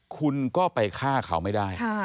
คุณก็ไปฆ่าเขาไม่ได้